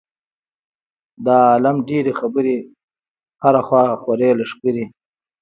د عالم ډېرې خبرې هره خوا خورې لښکرې.